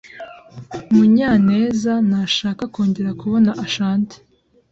Munyanezntashaka kongera kubona Ashanti.